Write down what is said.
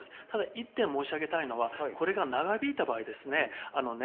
ただ一点申し上げたいのはこれが長引いた場合です。